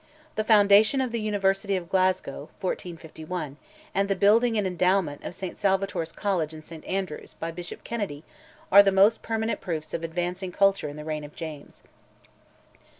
The foundation of the University of Glasgow (1451), and the building and endowment of St Salvator's College in St Andrews, by Bishop Kennedy, are the most permanent proofs of advancing culture in the reign of James.